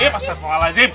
mas tepung aladzim